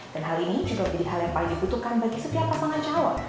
dan hal ini juga menjadi hal yang paling dibutuhkan bagi setiap pasangan cawa